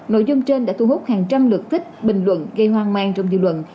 nội dung trên đã thu hút hàng trăm lượt tích bình luận gây hoang mang trong dư luận